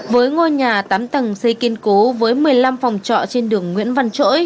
với ngôi nhà tám tầng xây kiên cố với một mươi năm phòng trọ trên đường nguyễn văn trỗi